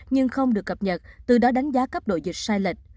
nhưng không được cập nhật từ đó đánh giá cấp độ dịch sai lệch